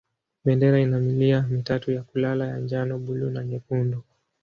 Bendera ina milia mitatu ya kulala ya njano, buluu na nyekundu.